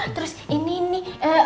terus ini nih